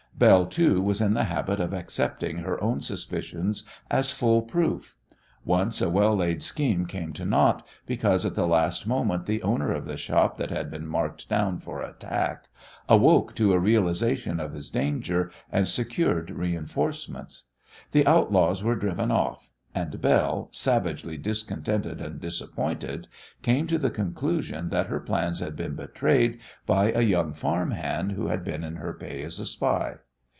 Belle, too, was in the habit of accepting her own suspicions as full proof. Once a well laid scheme came to naught because at the last moment the owner of the shop that had been marked down for attack awoke to a realization of his danger and secured reinforcements. The outlaws were driven off, and Belle, savagely discontented and disappointed, came to the conclusion that her plans had been betrayed by a young farm hand who had been in her pay as a spy.